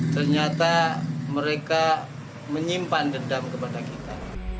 ternyata mereka menyimpan dendam kepada kita